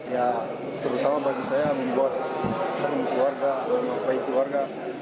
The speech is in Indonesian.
ya terutama bagi saya membuat keluarga baik keluarga